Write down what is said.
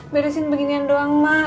beresin beginian doang mak